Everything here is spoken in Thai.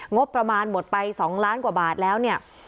งบประมาณหมดไป๒ล้านกว่าบาทแล้วเนี่ย